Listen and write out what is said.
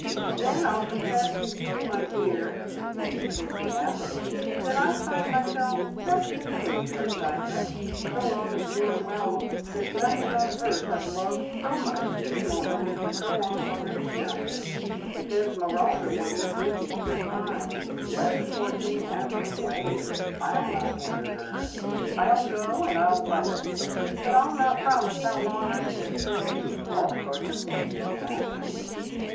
"Then I'll confess to you, my dear," continued Pixie affably, "that I find myself just in the mood for excitement. So long as you are well there's nothing on earth I'd love so much at this moment as to go off on a junket. If Esmeralda wants to give me a good time, let the poor thing have her way I'll not hinder her! I'll go, and I'll love it; but I'll not promise how long I shall stay all sorts of things may happen."